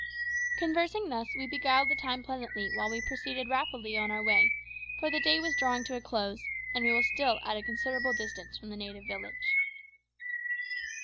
Conversing thus we beguiled the time pleasantly while we proceeded rapidly on our way, for the day was drawing to a close, and we were still at a considerable distance from the native village.